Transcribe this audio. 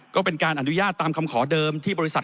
ก็เป็นการอนุญาตตามคำขอเดิมที่บริษัท